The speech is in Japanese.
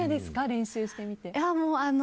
練習してみて。